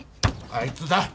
あいつだよ。